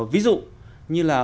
ví dụ như là